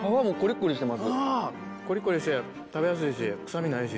コリコリして食べやすいし臭みないし。